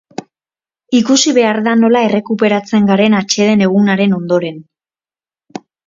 Ikusi behar da nola errekuperatzen garen atseden egunaren ondoren.